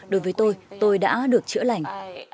đối với tôi tôi đã được chữa lành